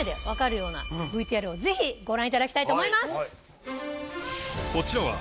ようなＶＴＲをぜひご覧いただきたいと思います。